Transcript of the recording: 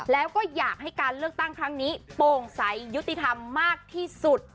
แล้วก็อยากให้การเลือกตั้งครั้งนี้โปร่งใสยุติธรรมมากที่สุด